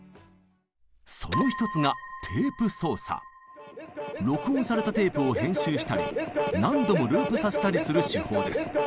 その一つが録音されたテープを編集したり何度もループさせたりする手法です。